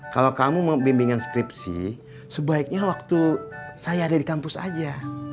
kalau kamu membimbingkan skripsi sebaiknya waktu saya ada di kampus aja